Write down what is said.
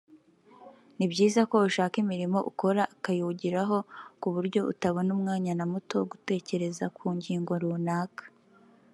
ni byiza ko ushaka imirimo ukora ukayihugiraho ku buryo utabona umwanya na muto wo gutekereza ku ngingo runaka